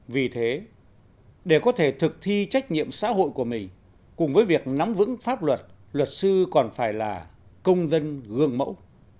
vì thế để có thể thực thi trách nhiệm xã hội của mình cùng với việc nắm vững pháp luật luật sư còn phải là công dân gương mẫu